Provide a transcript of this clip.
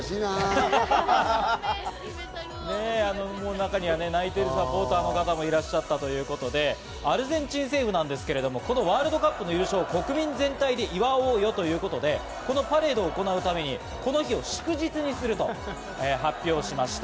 中には泣いているサポーターの方もいらっしゃったということで、アルゼンチン政府なんですけれども、このワールドカップの優勝を国民全体で祝おうよということで、このパレードを行うためにこの日を祝日にすると発表しました。